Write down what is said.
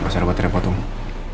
masyarakat repot umur